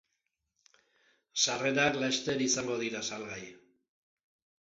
Sarrerak laster izango dira salgai.